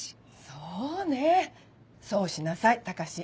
そうねぇそうしなさい高志。